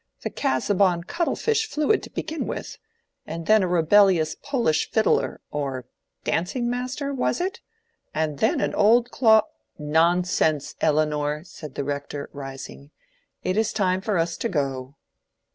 "The Casaubon cuttle fish fluid to begin with, and then a rebellious Polish fiddler or dancing master, was it?—and then an old clo—" "Nonsense, Elinor," said the Rector, rising. "It is time for us to go."